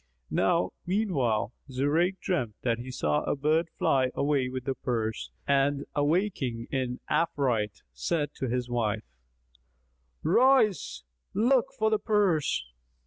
Now meanwhile, Zurayk dreamt that he saw a bird fly away with the purse and awaking in affright, said to his wife, "Rise; look for the purse."